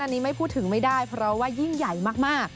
อันนี้ไม่พูดถึงไม่ได้เพราะว่ายิ่งใหญ่มาก